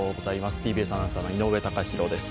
ＴＢＳアナウンサーの井上貴博です。